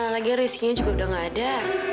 lagian rizky nya juga udah gak ada